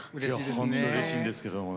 本当うれしいんですけどもね。